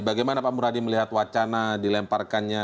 bagaimana pak muradi melihat wacana dilemparkannya